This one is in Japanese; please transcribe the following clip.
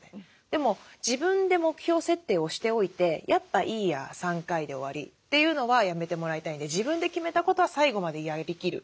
でも自分で目標設定をしておいて「やっぱいいや３回で終わり」というのはやめてもらいたいんで自分で決めたことは最後までやりきる。